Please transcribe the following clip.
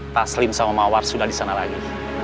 taslim sama mawar sudah di sana lagi